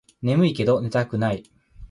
ねむいけど寝たくない